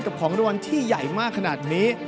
กับของรวมที่ใหญ่มากขนาดนี้